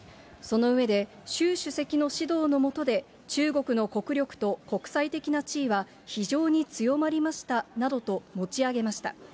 その上で、習主席の指導の下で、中国の国力と国際的な地位は非常に強まりましたなどと持ち上げました。